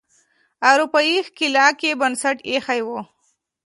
اروپایي ښکېلاک یې بنسټ ایښی و.